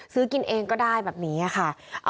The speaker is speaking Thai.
ซื้อกินเองก็ได้แบบนี้ค่ะ